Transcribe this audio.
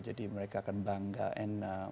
jadi mereka akan bangga and